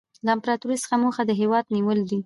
له امپراطورۍ څخه موخه د هېوادونو نیول دي